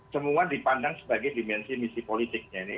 semua dipandang sebagai dimensi misi politiknya ini